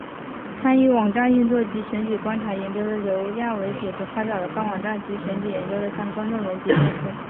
参与网站运作及选举观察研究的刘亚伟组织发表了该网站及选举研究的相关论文及专书。